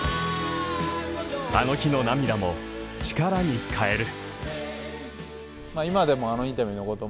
あの日の涙も力に変える。